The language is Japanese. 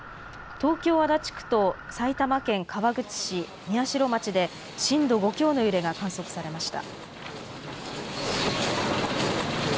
東京・足立区と埼玉県川口市、宮代町で震度５強の揺れが観測されました。